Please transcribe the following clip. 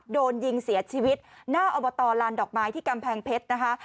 โดนยิงเสียชีวิตณอบตรลานดอกไม้ที่กำแพงเพชร